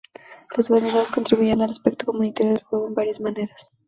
Los vendedores contribuían al aspecto comunitario del juego en varias maneras.